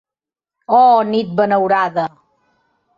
Oh nit benaurada!